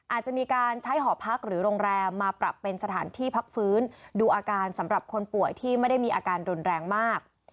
อาจจะมีการใช้หอพักหรือโรงแรมมาปรับเป็นสถานที่พักฟื้นดูอาการสำหรับคนป่วยที่ไม่ได้มีอาการรุนแรงมาก